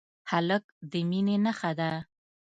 هلک د مینې نښه ده.